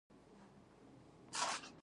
په حقیقت کې خپل کرکټر تشریح کوي.